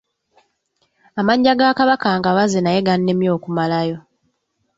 Amannya ga Kabaka ngabaze naye gannemye okumalayo!